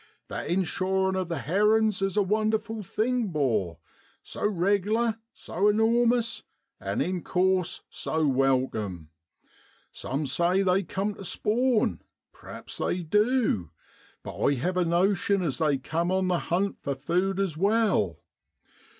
* That in shorin' of the herrin's is a wonderful thing, 'bor,' so reg'lar, so enor mous and in course, so welcome. Some say they cum tu spawn ; p'raps they du, but I hev a notion as they cum on the hunt for food as well.